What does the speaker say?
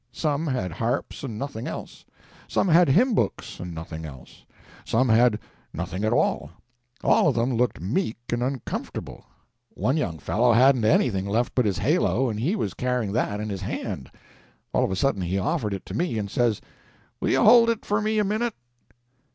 Some had harps and nothing else; some had hymn books and nothing else; some had nothing at all; all of them looked meek and uncomfortable; one young fellow hadn't anything left but his halo, and he was carrying that in his hand; all of a sudden he offered it to me and says— "Will you hold it for me a minute?"